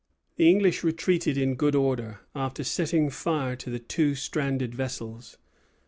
The English retreated in good order, after setting fire to the two stranded vessels.